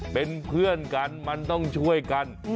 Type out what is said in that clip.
เป็นเพื่อนกันมันต้องช่วยกัน